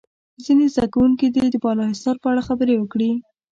ځینې زده کوونکي دې د بالا حصار په اړه خبرې وکړي.